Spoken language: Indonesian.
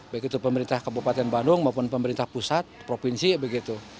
baik itu pemerintah kabupaten bandung maupun pemerintah pusat provinsi begitu